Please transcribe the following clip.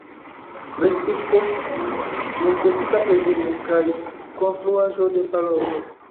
Restis post ĝi nur gotika preĝejo kaj konstruaĵo de paroĥo.